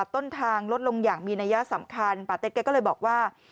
ต้นทางลดลงอย่างมีนัยสำคัญป่าเต็กแกก็เลยบอกว่า